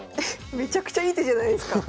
めちゃくちゃいい手じゃないですか。